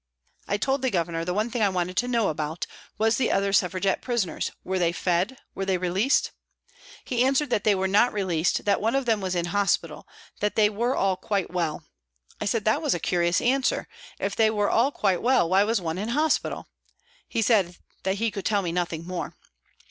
I told the Governor that the one thing I wanted to know about was the other Suffra gette prisoners, were they fed were they released ? He answered that they were not released, that one of them was in hospital, that they were all quite well. I said that was a curious answer ; if they were all quite well, why was one in hospital ? He said that he could tell me nothing more.